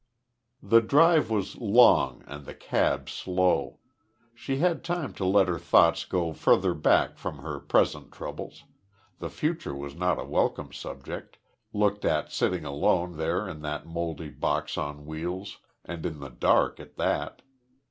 The drive was long and the cab slow. She had time to let her thoughts go further back from her present troubles the future was not a welcome subject, looked at sitting alone there in that mouldy box on wheels, and in the dark at that.